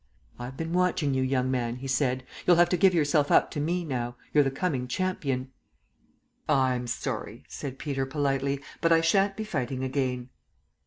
"I've been watching you, young man," he said. "You'll have to give yourself up to me now. You're the coming champion." "I'm sorry," said Peter politely, "but I shan't be fighting again."